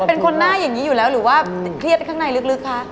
เป็นคนหน้าอย่างนี้อยู่แล้วหรือว่าเครียดข้างในลึกคะ